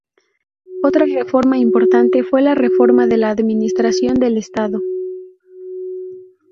Otra reforma importante fue la reforma de la administración del Estado.